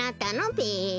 べ。